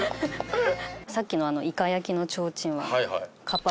さっきのあのいか焼のちょうちんは。